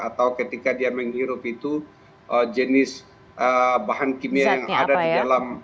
atau ketika dia menghirup itu jenis bahan kimia yang ada di dalam